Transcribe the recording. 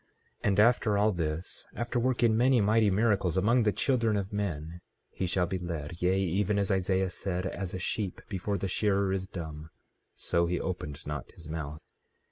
15:6 And after all this, after working many mighty miracles among the children of men, he shall be led, yea, even as Isaiah said, as a sheep before the shearer is dumb, so he opened not his mouth.